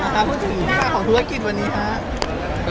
ขอบคุณผู้ชิงพี่ท่านของธุรกิจวันนี้ค่ะ